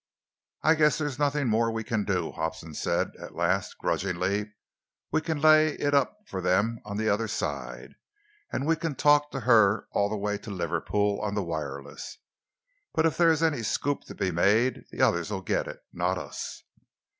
"I guess there's nothing more we can do," Hobson said at last grudgingly. "We can lay it up for them on the other side, and we can talk to her all the way to Liverpool on the wireless, but if there is any scoop to be made the others'll get it not us."